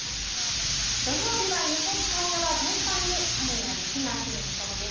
土曜日は日本海側全般に雨や雪が降る見込みです。